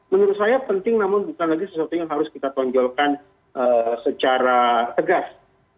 menurut saya penting namun bukan lagi sesuatu yang harus kita tonjolkan secara tegas